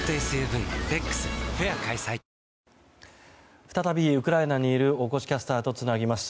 再びウクライナにいる大越キャスターとつなぎます。